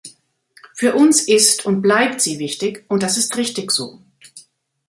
Für uns ist und bleibt sie wichtig, und das ist richtig so.